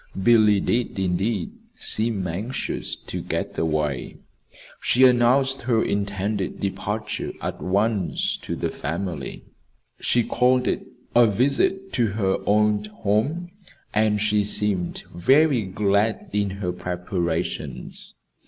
Billy did, indeed, seem anxious to get away. She announced her intended departure at once to the family. She called it a visit to her old home, and she seemed very glad in her preparations.